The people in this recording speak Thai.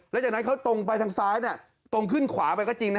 แล้วจากนั้นเขาตรงไปทางซ้ายตรงขึ้นขวาไปก็จริงนะ